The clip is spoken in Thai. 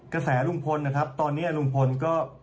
กระแสลุงพลนะครับตอนนี้ลุงพลก็